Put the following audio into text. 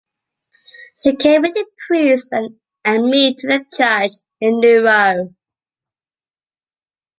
She came with the priest and me to the judge, in Nuoro.